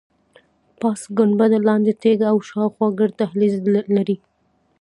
پاس ګنبده، لاندې تیږه او شاخوا ګرد دهلیز لري.